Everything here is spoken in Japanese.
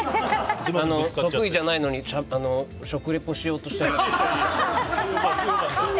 得意じゃないのに食リポしようとして。